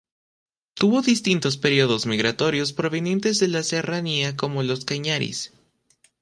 Tuvo distintos períodos migratorios provenientes de la serranía como los Cañaris.